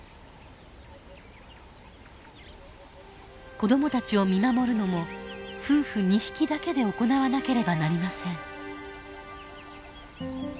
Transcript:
子どもたちを見守るのも夫婦２匹だけで行わなければなりません。